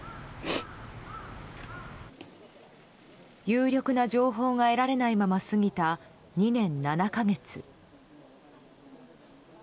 有力な情報が得られないまま過ぎた２年７か月。